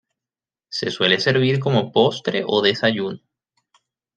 Se suele servir como postre o desayuno.